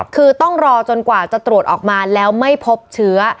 คือต้องรอจนกว่าจะตรวจออกมาแล้วไม่พบเชื้อ